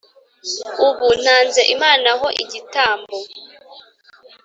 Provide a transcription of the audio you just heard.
Ubu ntanze Imana ho igitambo